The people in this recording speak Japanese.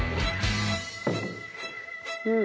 うん。